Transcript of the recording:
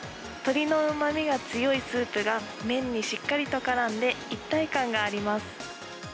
鶏のうまみが強いスープが、麺にしっかりとからんで、一体感があります。